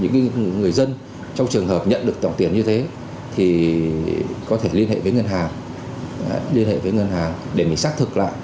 những người dân trong trường hợp nhận được tổng tiền như thế thì có thể liên hệ với ngân hàng để mình xác thực lại